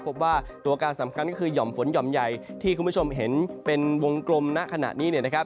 พบว่าตัวการสำคัญก็คือห่อมฝนหย่อมใหญ่ที่คุณผู้ชมเห็นเป็นวงกลมณขณะนี้